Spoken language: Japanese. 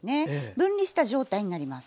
分離した状態になります。